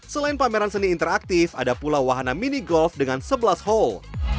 selain pameran seni interaktif ada pula wahana mini golf dengan sebelas hall